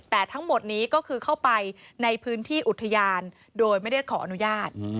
แต่ทั้งหมดนี้ก็คือเข้าไปในพื้นที่อุทยานโดยไม่ได้ขออนุญาต